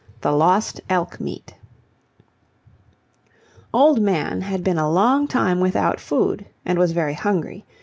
THE LOST ELK MEAT Old Man had been a long time without food and was very hungry.